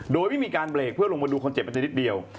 โดยไม่มีการเบรกเพื่อลงมาดูคนเจ็บมันจะนิดเดียว